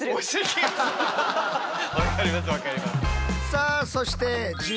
さあそしてはい！